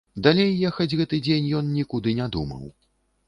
Далей ехаць гэты дзень ён нікуды не думаў.